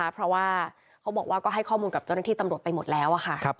เพราะว่าเขาบอกว่าก็ให้ข้อมูลกับเจ้าหน้าที่ตำรวจไปหมดแล้วค่ะ